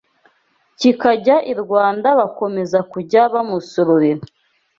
kikajya i Rwanda bakomeza kujya bamusororera